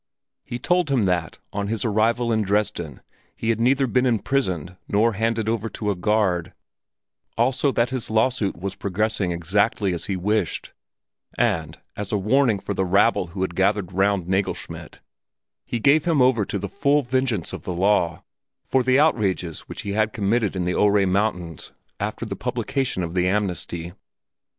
He told him that, on his arrival in Dresden, he had neither been imprisoned nor handed over to a guard, also that his lawsuit was progressing exactly as he wished, and, as a warning for the rabble who had gathered around Nagelschmidt, he gave him over to the full vengeance of the law for the outrages which he had committed in the Ore Mountains after the publication of the amnesty.